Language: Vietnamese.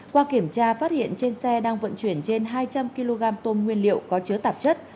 qua kiểm tra phát hiện trên xe đang vận chuyển trên hai trăm linh kg tôm nguyên liệu có chứa tạp chất